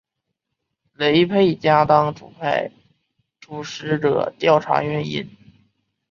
雷沛家当主派出使者调查原因。